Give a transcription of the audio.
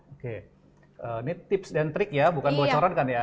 oke ini tips dan trik ya bukan bocoran kan ya